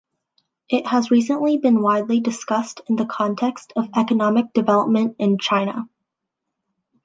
It has recently been widely discussed in the context of economic development in China.